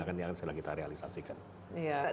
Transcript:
ini akan kita realisasikan